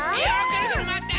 ぐるぐるまわって！